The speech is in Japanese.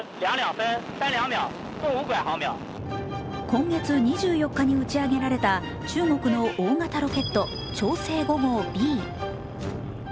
今月２４日に打ち上げられた中国の大型ロケット「長征５号Ｂ」